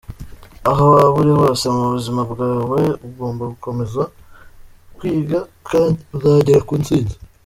Aho waba uri hose mu buzima bwawe, ugomba gukomeza kwiga kandi uzagera ku ntsinzi.